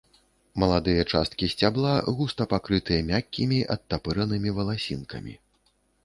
Маладыя часткі сцябла густа пакрытыя мяккімі адтапыранымі валасінкамі.